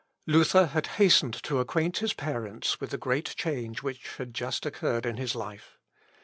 Luther had hastened to acquaint his parents with the great change which had just occurred in his life.